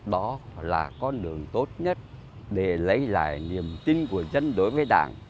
đó là con đường tốt nhất để lấy lại niềm tin của dân đối với đảng